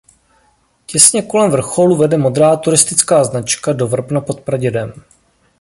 Těsně kolem vrcholu vede modrá turistická značka do Vrbna pod Pradědem.